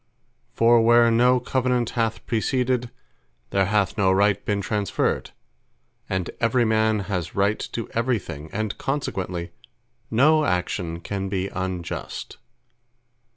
For where no Covenant hath preceded, there hath no Right been transferred, and every man has right to every thing; and consequently, no action can be Unjust.